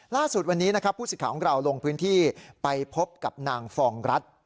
ล่าสุดวันนี้นะครับผู้สิทธิ์ของเราลงพื้นที่ไปพบกับนางฟองรัฐ